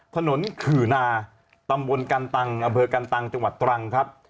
ขื่อนาตำบลกันตังอำเภอกันตังจังหวัดตรังครับ